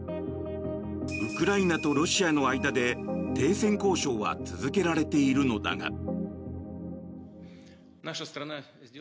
ウクライナとロシアの間で停戦交渉は続けられているのだが。